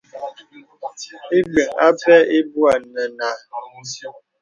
Ìbəŋ ǎ pɛ ibwə̄ nə nǎ.